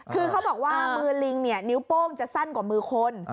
คือเขาบอกว่ามือลิงเนี่ยนิ้วโป้งจะสั้นกว่ามือคน